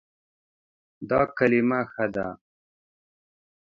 دا کلمه ښه ده